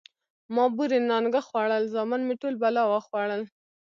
ـ ما بورې نانګه خوړل، زامن مې ټول بلا وخوړل.